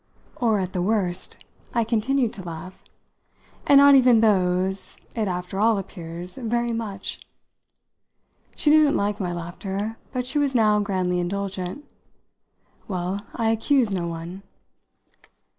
"Or at the worst!" I continued to laugh. "And not even those, it after all appears, very much!" She didn't like my laughter, but she was now grandly indulgent. "Well, I accuse no one."